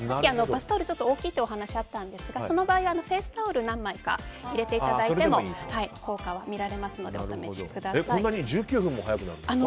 バスタオルが大きいと先ほどお話があったんですがその場合フェイスタオルを何枚か入れていただいても効果は見られますので１９分も短くなるんですか。